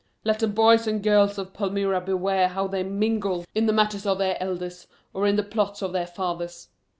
Let the boys and girls of Palmyra beware how they mingle in the matters of their elders, or in the plots of their fathers.